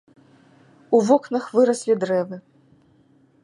У вокнах выраслі дрэвы.